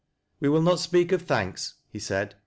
" Wc will not speak of thanks," he said.